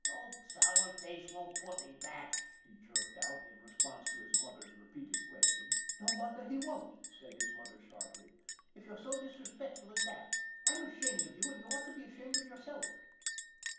" Old Sour Face won't put me back," he jerked out, in response to his mother's repeated question. " No wonder he won't," said his mother sharply, " if you're as disrespectful as that. I'm ashamed of you, and you ought to be ashamed of yourself."